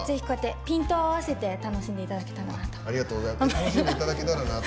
ピントを合わせて楽しんでいただきたいなと。